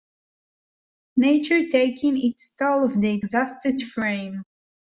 Nature taking its toll of the exhausted frame.